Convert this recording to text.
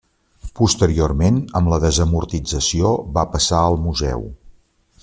Posteriorment amb la desamortització va passar al museu.